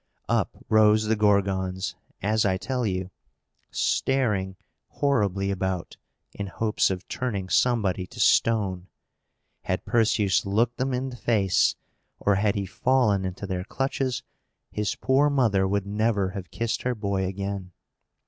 Up rose the Gorgons, as I tell you, staring horribly about, in hopes of turning somebody to stone. Had Perseus looked them in the face, or had he fallen into their clutches, his poor mother would never have kissed her boy again!